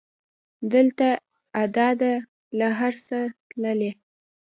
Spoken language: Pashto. دلته ادا ده له هر څه تللې